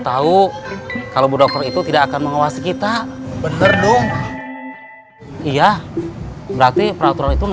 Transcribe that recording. oh kalaupun kamu merekomendasikan kehidupan ini